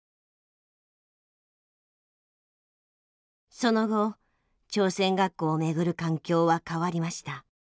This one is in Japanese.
その後朝鮮学校をめぐる環境は変わりました。